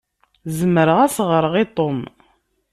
Zemreɣ ad s-ɣṛeɣ i Tom.